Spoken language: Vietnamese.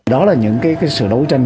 đó là những sự đấu tranh